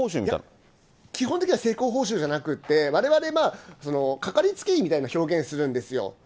基本的には成功報酬じゃなくて、われわれ、掛かりつけ医みたいな表現するんですよ。